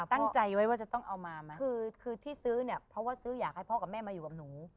ตั้งใจไว้ว่าจะต้องเอามาไหมคือคือที่ซื้อเนี่ยเพราะว่าซื้ออยากให้พ่อกับแม่มาอยู่กับหนู